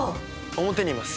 表にいます。